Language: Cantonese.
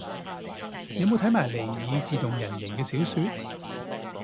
有冇睇埋尼爾自動人形嘅小說